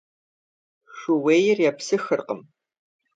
Шууейр епсыхыркъым.